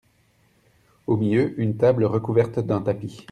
Au milieu, une table recouverte d’un tapis.